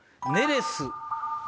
ネレス。